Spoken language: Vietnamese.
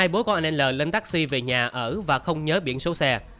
hai bố con anh n l lên taxi về nhà ở và không nhớ biển số xe